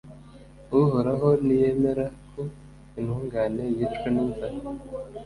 Uhoraho ntiyemera ko intungane yicwa n’inzara